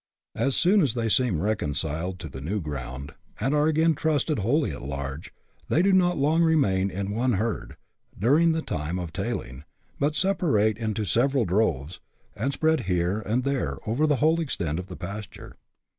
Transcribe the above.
As soon as they seem reconciled to the new ground, and are again trusted wholly at large, they do not long remain in one herd, as during the time of " tailing," but separate into several droves, and spread here and there over the whole extent of pasture.